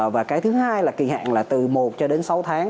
và cái thứ hai là kỳ hạn là từ một cho đến sáu tháng